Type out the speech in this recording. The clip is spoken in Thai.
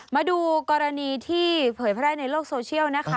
มาดูกรณีที่เผยแพร่ในโลกโซเชียลนะคะ